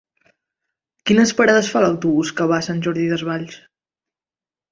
Quines parades fa l'autobús que va a Sant Jordi Desvalls?